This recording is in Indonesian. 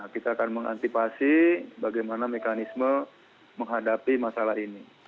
kita akan mengantisipasi bagaimana mekanisme menghadapi masalah ini